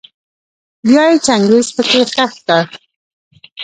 بيا يې چنګېز پکي خښ کړ.